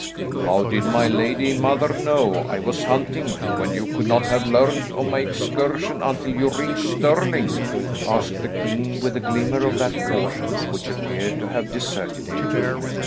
"How did my lady mother know I was hunting when you could not have learned of my excursion until you reached Stirling?" asked the king, with a glimmer of that caution which appeared to have deserted him.